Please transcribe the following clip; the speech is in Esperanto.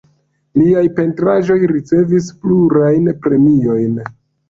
Liaj pentraĵoj ricevis plurajn premiojn.